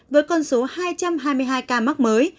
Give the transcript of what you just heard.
với con số hai trăm hai mươi hai ca mắc mới